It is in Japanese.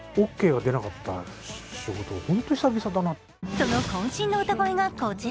そのこん身の歌声がこちら。